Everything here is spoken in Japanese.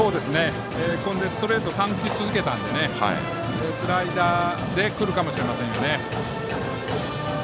ストレートを３球続けたのでスライダーでくるかもしれません。